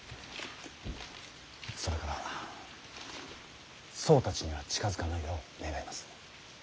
それから僧たちには近づかないよう願います。